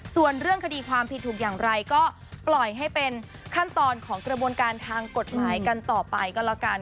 ส่วนเรื่องคดีความผิดถูกอย่างไรก็ปล่อยให้เป็นขั้นตอนของกระบวนการทางกฎหมายกันต่อไปก็แล้วกัน